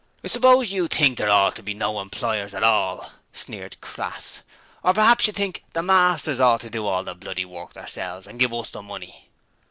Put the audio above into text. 'I suppose you think there oughtn't to be no employers at all?' sneered Crass. 'Or p'raps you think the masters ought to do all the bloody work theirselves, and give us the money?'